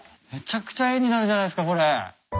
めちゃくちゃ絵になるじゃないですかこれ。